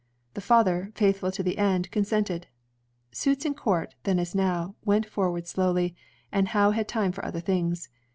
The father, faithful to the end, con sented. Suits in court, then as now, went forward slowly, and Howe had time for other things.